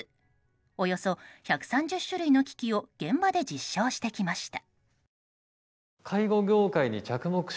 およそ１３０種類の機器を現場で実証してきました。